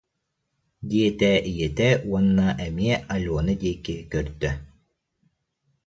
диэтэ ийэтэ уонна эмиэ Алена диэки көрдө